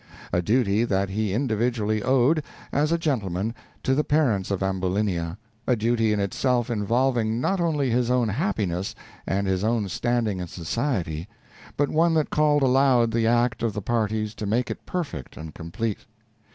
A duty that he individually owed, as a gentleman, to the parents of Ambulinia, a duty in itself involving not only his own happiness and his own standing in society, but one that called aloud the act of the parties to make it perfect and complete.